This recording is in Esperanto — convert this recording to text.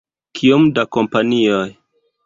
Kiom da kompanioj?